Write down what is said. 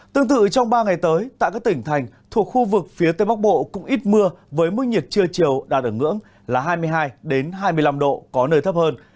tương tự trong ba ngày tới tại các tỉnh thành thuộc khu vực phía tây bắc bộ cũng ít mưa với mức nhiệt trưa chiều đạt ở ngưỡng là hai mươi hai hai mươi năm độ có nơi thấp hơn